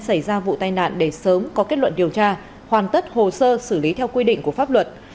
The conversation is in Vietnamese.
xảy ra vụ tai nạn để sớm có kết luận điều tra hoàn tất hồ sơ xử lý theo quy định của pháp luật